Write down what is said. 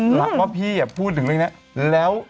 หลักว่าพี่อย่าพูดถึงเรื่องนี้